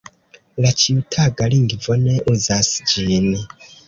La ĉiutaga lingvo ne uzas ĝin.